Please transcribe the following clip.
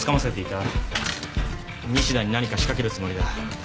西田に何か仕掛けるつもりだ。